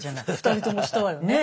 ２人ともしたわよね。